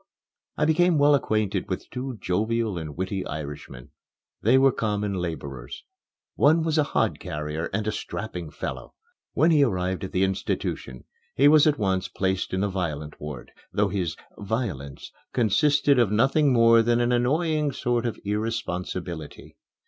I became well acquainted with two jovial and witty Irishmen. They were common laborers. One was a hodcarrier, and a strapping fellow. When he arrived at the institution, he was at once placed in the violent ward, though his "violence" consisted of nothing more than an annoying sort of irresponsibility.